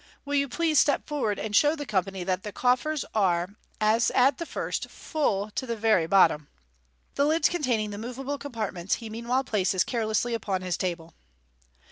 Will you please step forward, and show the company that the coffers are, as at first, full to the very bottom/' The lids, containing the moveable compartments, he meanwhile places care lessly upon his table.